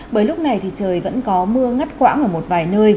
bởi lúc này thì trời vẫn có mưa ngắt quãng ở một vài nơi